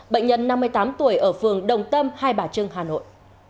bệnh nhân năm mươi tám tuổi ở phường đồng tâm hai bà trưng hà nội